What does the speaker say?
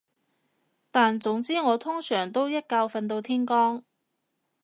但總之我通常都一覺瞓到天光